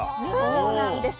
そうなんです。